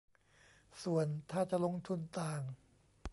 ส่วนถ้าจะลงทุนต่าง